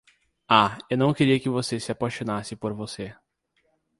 Ah, eu não queria que você se apaixonasse por você!